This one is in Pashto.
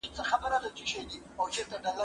زه به سبا د يادښتونه بشپړ وکړم،